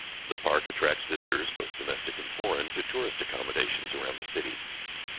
The park attracts visitors both domestic and foreign to tourist accommodations around the city.